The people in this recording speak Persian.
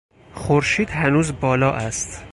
خورشید هنوز بالا است.